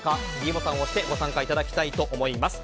ｄボタンを押してご参加いただきたいと思います。